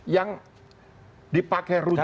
yang dipakai rujukan